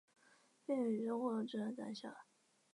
毕业于中共中央党校。